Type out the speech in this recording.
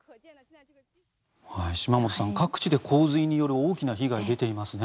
島本さん各地で洪水による大きな被害出ていますね。